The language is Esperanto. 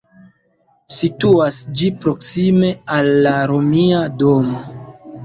Situas ĝi proksime al la Romia domo.